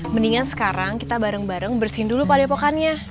mendingan sekarang kita bareng bareng bersihin dulu pak debokannya